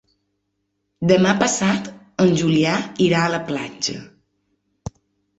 Demà passat en Julià irà a la platja.